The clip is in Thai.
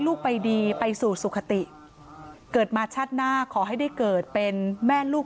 ลูกไปดีไปสู่สุขติเกิดมาชาติหน้าขอให้ได้เกิดเป็นแม่ลูก